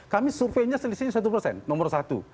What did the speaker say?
kami surveinya selisihnya satu persen nomor satu